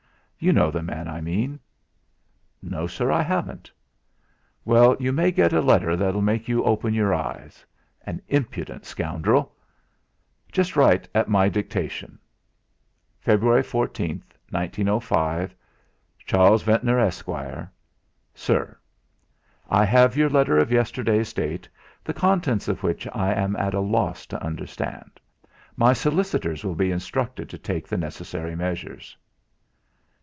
You know the man I mean?" "No, sir. I haven't." "Well! You may get a letter that'll make you open your eyes. An impudent scoundrel! Just write at my dictation." "February 14th, 1905. "CHARLES VENTNOR, Esq. "SIR, I have your letter of yesterday's date, the contents of which I am at a loss to understand. My solicitors will be instructed to take the necessary measures."